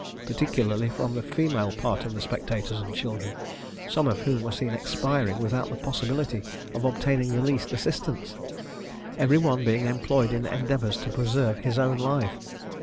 particularly from the female part of the spectators and children, some of whom were seen expiring without the possibility of obtaining the least assistance, every one being employed in endeavours to preserve his own life.